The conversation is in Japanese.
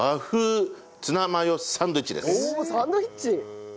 おおサンドイッチ？